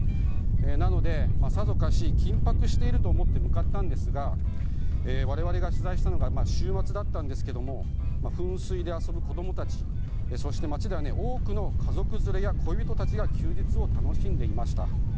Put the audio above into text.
なので、さぞかし緊迫しているかと思って向かったんですが我々が取材したのは週末だったんですけど噴水で遊ぶ子供たちそして街では多くの家族連れや恋人たちが休日を楽しんでいました。